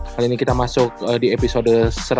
kali ini kita masuk di episode satu ratus empat puluh tujuh